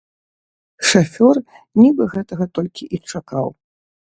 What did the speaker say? Шафёр нібы гэтага толькі і чакаў.